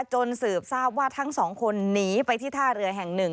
จนสืบทราบว่าทั้งสองคนหนีไปที่ท่าเรือแห่งหนึ่ง